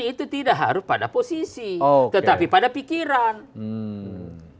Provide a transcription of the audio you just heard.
itu tidak harus pada posisi tetapi pada pikiran